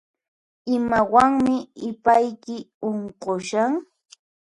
Imawanmi ipayki unqushan?